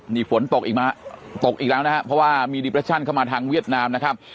นี่ฝนตกอีกมาตกอีกแล้วนะฮะเพราะว่ามีเข้ามาทางเวียดนามนะครับ